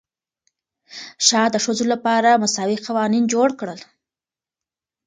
شاه د ښځو لپاره مساوي قوانین جوړ کړل.